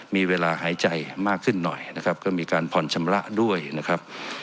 มีเวลาหายใจมากขึ้นหน่อยนะครับก็มีการผ่อนชำระด้วยนะครับ